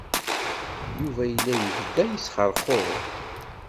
Yuba yella yebda yesxeṛxuṛ.